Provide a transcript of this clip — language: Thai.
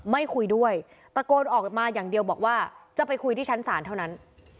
ไม่คุยด้วยตะโกนออกมาอย่างเดียวบอกว่าจะไปคุยที่ชั้นศาลเท่านั้น